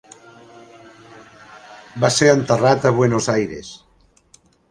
Va ser enterrat a Buenos Aires.